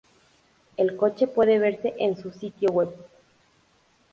El coche puede verse en su sitio web.